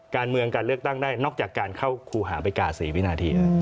การเมืองการเลือกตั้งได้นอกจากการเข้าครูหาไปกา๔วินาที